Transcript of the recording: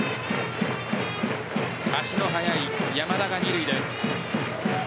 足の速い山田が二塁です。